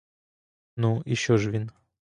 Ну, і що ж він?